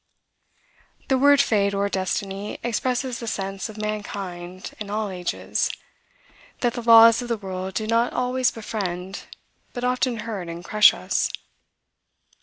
The word Fate, or Destiny, expresses the sense of mankind, in all ages, that the laws of the world do not always befriend, but often hurt and crush us.